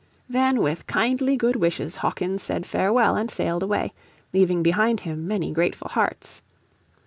Then with kindly good wishes Hawkins said farewell and sailed away, leaving behind him many grateful hearts.